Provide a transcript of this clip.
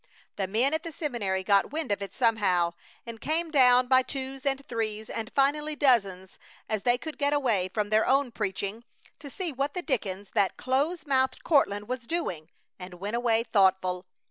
The men at the seminary got wind of it somehow, and came down by twos and threes, and finally dozens, as they could get away from their own preaching, to see what the dickens that close mouthed Courtland was doing, and went away thoughtful.